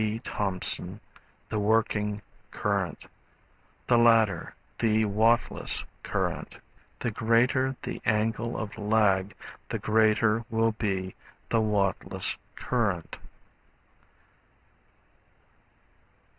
Thompson the Working Current, the latter the Wattless Current. The greater the angle of lag the greater will be the wattless current.